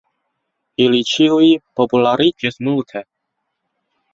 Ili ĉiuj populariĝis multe.